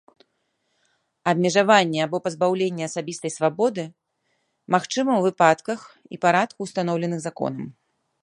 Абмежаванне або пазбаўленне асабістай свабоды магчыма ў выпадках і парадку, устаноўленых законам.